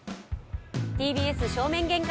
ＴＢＳ正面玄関